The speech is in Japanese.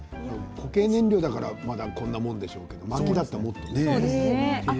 固形燃料だからまだこんなもんですけどまきだったら、もっと。